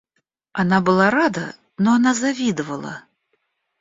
Она была рада, но она завидовала.